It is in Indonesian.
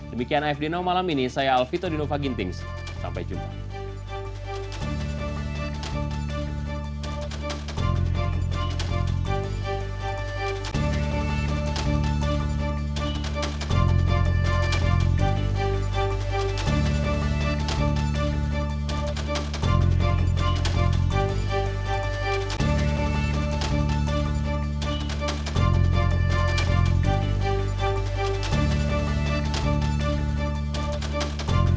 demikian afd now malam ini saya alfito di novagintings sampai jumpa